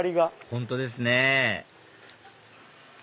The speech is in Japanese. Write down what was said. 本当ですね